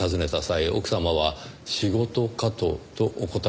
奥様は「仕事かと」とお答えになりました。